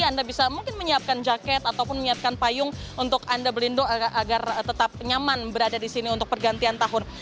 anda bisa mungkin menyiapkan jaket ataupun menyiapkan payung untuk anda belindo agar tetap nyaman berada di sini untuk pergantian tahun